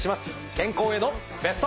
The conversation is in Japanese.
健康へのベスト。